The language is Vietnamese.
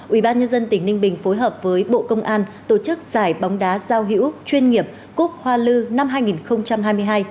ubnd tỉnh ninh bình phối hợp với bộ công an tổ chức giải bóng đá giao hữu chuyên nghiệp cúc hoa lư năm hai nghìn hai mươi hai